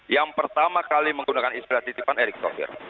yang pertama kali menggunakan istilah titipan erick thohir